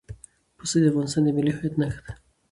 پسه د افغانستان د ملي هویت نښه ده.